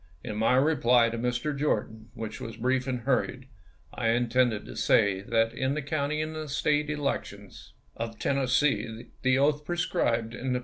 In my reply to Mr. Jordan, which was brief and hurried, I intended to say that in the county and State elec TENNESSEE FEEE 445 tions of Tennessee, the oath prescribed in the ch.